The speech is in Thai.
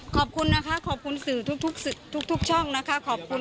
ขอบคุณนะคะขอบคุณสื่อทุกช่องนะคะขอบคุณ